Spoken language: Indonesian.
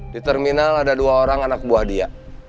di terminal ada dua orang anak buah dia